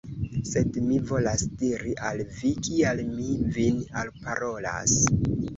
Sed mi volas diri al vi, kial mi vin alparolas.